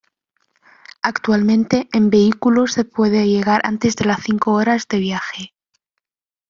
Actualmente, en vehículo, se puede llegar antes de las cinco horas de viaje.